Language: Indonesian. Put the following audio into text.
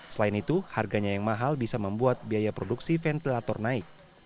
selain itu harganya yang mahal bisa membuat biaya produksi ventilator naik